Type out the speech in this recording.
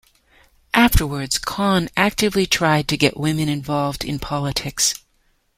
Afterwards, Kahn actively tried to get women involved in politics.